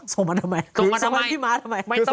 ส่งมาทำไมพี่มาส์ทำไมค่ะ